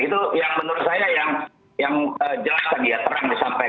itu yang menurut saya yang jelas tadi ya terang disampaikan